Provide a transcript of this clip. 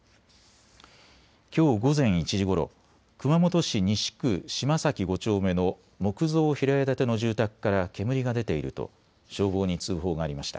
きょう午前１時ごろ熊本市西区島崎５丁目の木造平屋建ての住宅から煙が出ていると消防に通報がありました。